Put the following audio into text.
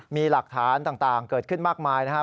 มีหลักฐานต่างเกิดขึ้นมากมายนะครับ